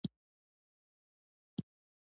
د دوي پۀ بې لګامه کولو کښې